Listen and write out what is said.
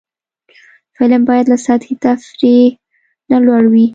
فلم باید له سطحي تفریح نه لوړ وي